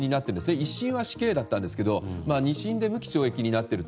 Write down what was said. １審は死刑だったんですが２審で無期懲役になっていると。